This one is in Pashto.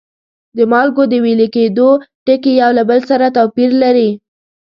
د مالګو د ویلي کیدو ټکي یو له بل سره توپیر لري.